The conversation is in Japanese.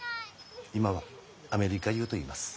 今はアメリカ世といいます。